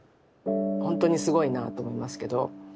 ほんとにすごいなと思いますけど。